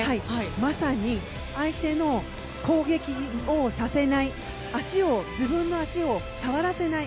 まさに相手の攻撃をさせない自分の足を触らせない。